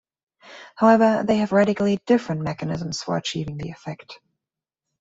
However, they have radically different mechanisms for achieving the effect.